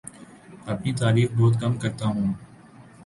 اپنی تعریف بہت کم کرتا ہوں